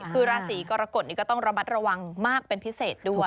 คือราศีกรกฎนี้ก็ต้องระมัดระวังมากเป็นพิเศษด้วย